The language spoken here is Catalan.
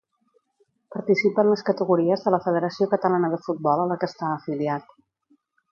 Participa en les categories de la Federació Catalana de Futbol a la que està afiliat.